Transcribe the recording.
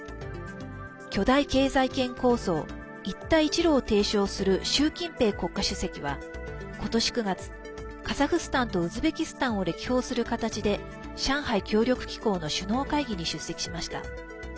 巨大経済圏構想、一帯一路を提唱する習近平国家主席は今年９月、カザフスタンとウズベキスタンを歴訪する形で上海協力機構の首脳会議に出席しました。